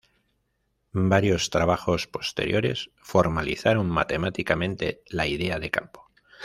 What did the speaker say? Varios trabajos posteriores formalizaron matemáticamente la idea de campo.